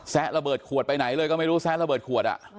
แซะระเบิดขวดไปไหนเลยก็ไม่รู้แซะระเบิดขวด